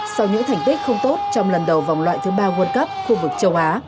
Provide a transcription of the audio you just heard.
sau những thành tích không tốt trong lần đầu vòng loại thứ ba world cup khu vực châu á